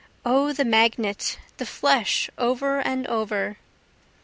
O the magnet! the flesh over and over!